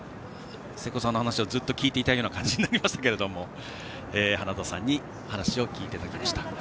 瀬古さんの話をずっと聞いていたい感じになりましたが、花田さんに話を聞いていただきました。